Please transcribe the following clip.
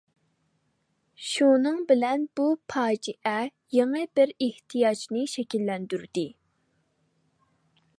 شۇنىڭ بىلەن بۇ پاجىئە يېڭى بىر ئېھتىياجنى شەكىللەندۈردى.